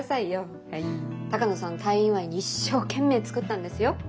鷹野さんの退院祝いに一生懸命作ったんですよ。